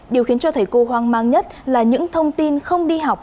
điều khiến cho thầy cô hoang mang nhất là những thông tin không đi học